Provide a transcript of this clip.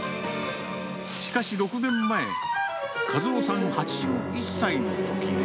しかし６年前、和夫さん８１歳のとき。